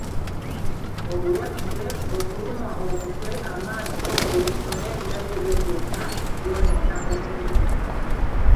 Obulwadde, okulumwa omutwe, amaaso, olubuto, n'ebirala ebyo byonna byonoona okuyiga.